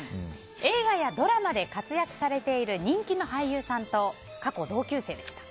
映画やドラマで活躍されている人気の俳優さんと過去同級生でした。